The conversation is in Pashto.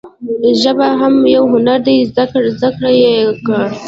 ژبه هم یو هنر دي زده یی کړه.